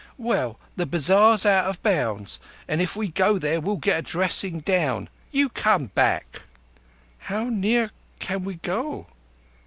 "Well, the bazar's out o' bounds. If we go there we'll get a dressing down. You come back." "How near can we go?"